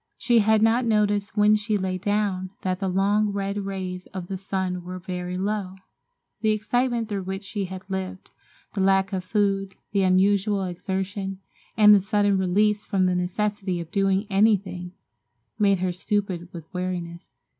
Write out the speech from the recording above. She had not noticed when she lay down that the long, red rays of the sun were very low. The excitement through which she had lived, the lack of food, the unusual exertion and the sudden release from the necessity of doing anything, made her stupid with weariness.